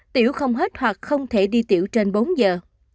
tiểu không hết hoặc không thể đi tiểu trên bốn giờ